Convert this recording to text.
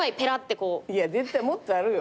いや絶対もっとあるよ。